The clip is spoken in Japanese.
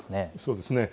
そうですね。